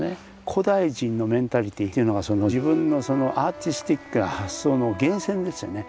古代人のメンタリティーというのがその自分のアーティスティックな発想の源泉ですよね。